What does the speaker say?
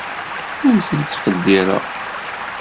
Ur tent-ttqeddireɣ.